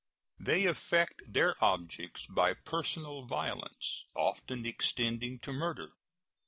They effect their objects by personal violence, often extending to murder.